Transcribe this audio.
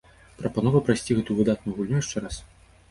Прапанова прайсці гэтую выдатную гульню яшчэ раз!